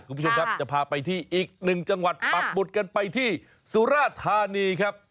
คุณผู้ชมครับจะพาไปที่อีกหนึ่งจังหวัดปักหมุดกันไปที่สุราธานีครับ